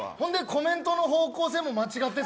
コメントの方向性も間違ってた。